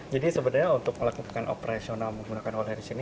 jadi sebenarnya untuk melakukan operasional menggunakan holeris ini